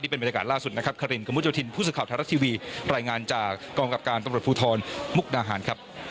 เป็นบรรยากาศล่าสุดนะครับคารินกระมุดโยธินผู้สื่อข่าวไทยรัฐทีวีรายงานจากกองกับการตำรวจภูทรมุกดาหารครับ